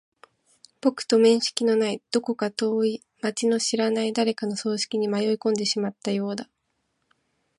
僕と面識のない、どこか遠い街の知らない誰かの葬式に迷い込んでしまったようだ。